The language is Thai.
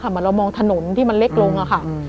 เหมือนเรามองถนนที่มันเล็กลงค่ะ